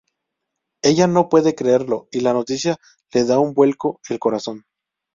Ella no puede creerlo y la noticia le da un vuelco el corazón.